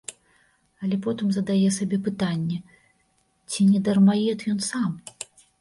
Але потым задае сабе пытанне, ці не дармаед ён сам?